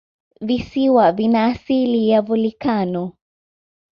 Visiwa vina asili ya volikano.